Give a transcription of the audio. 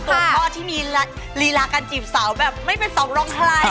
ตัวบ้านที่มีฬีลากันจีบสาวแบบไม่เป็นสำรองใคร